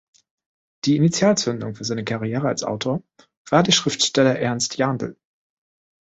Die Initialzündung für seine Karriere als Autor war der Schriftsteller Ernst Jandl.